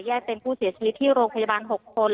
เป็นผู้เสียชีวิตที่โรงพยาบาล๖คน